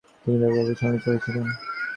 তিনি ব্যাপকভাবে সমালোচিত হয়েছিলেন।